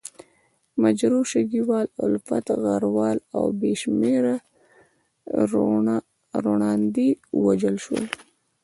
مجروح، شګیوال، الفت، غروال او بې شمېره روڼاندي ووژل شول.